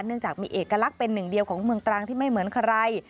จากมีเอกลักษณ์เป็นหนึ่งเดียวของเมืองตรังที่ไม่เหมือนใคร